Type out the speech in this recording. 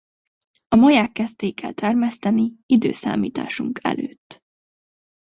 A maják kezdték el termeszteni i.e.